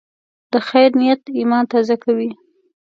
د خیر نیت ایمان تازه کوي.